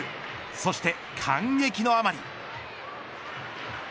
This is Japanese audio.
そして感激のあまり。